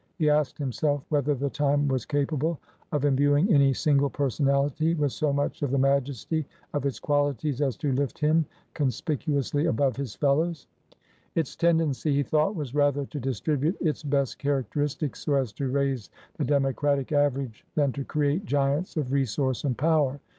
He asked himself whether the Time was capable of imbuing any single personality with so much of the majesty of its qualities as to lift him conspicuously above his fellows. Its ten dency, he thought, was rather to distribute its best characteristics so as to raise the democratic average than to create giants of resource and power.